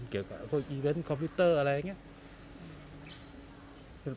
เกี่ยวกับพลบอทอิเวฮ็นต์คอมพิวเตอร์อะไรอย่างเนี่ย